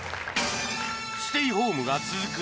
ステイホームが続く